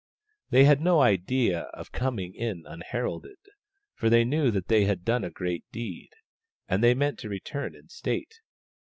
They had no idea of coming in un heralded, for they knew they had done a great deed, and they meant to return in state.